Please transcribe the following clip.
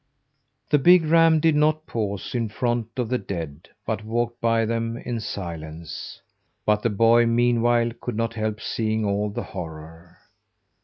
The big ram did not pause in front of the dead, but walked by them in silence. But the boy, meanwhile, could not help seeing all the horror.